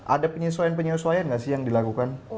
ada penyesuaian penyesuaian nggak sih yang dilakukan